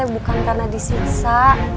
bukan karena disiksa